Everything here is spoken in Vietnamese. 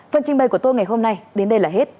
phần trình bày của tôi ngày hôm nay đến đây là hết